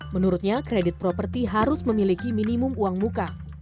menurutnya kredit properti harus memiliki minimum uang muka